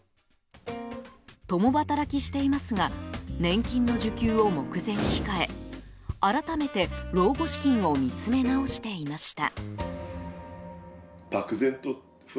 共働きしていますが年金の受給を目前に控え改めて、老後資金を見つめ直していました。